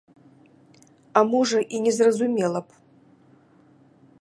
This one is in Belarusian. А можа, і не зразумела б?